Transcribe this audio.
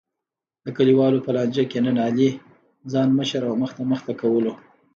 د کلیوالو په لانجه کې نن علی ځان مشر او مخته مخته کولو.